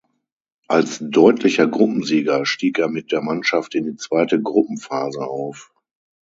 Als deutlicher Gruppensieger stieg er mit der Mannschaft in die zweite Gruppenphase auf.